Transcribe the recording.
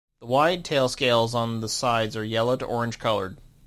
The wide tail scales on the sides are yellow to orange coloured.